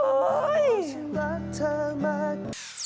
รักเธอมาก